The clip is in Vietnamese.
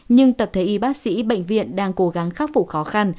nhưng tập thể y bác sĩ bệnh viện đang cố gắng khắc phục khó khăn